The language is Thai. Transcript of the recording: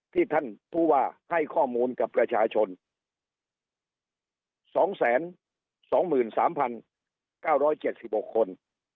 ที่ท่านผู้ว่าให้ข้อมูลกับประชาชนสองแสนสองหมื่นสามพันเก้าร้อยเจ็ดสิบหกคน